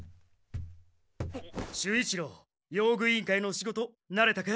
守一郎用具委員会の仕事なれたか？